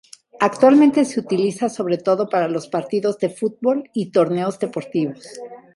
Actualmente se utiliza sobre todo para los partidos de fútbol y torneos deportivos.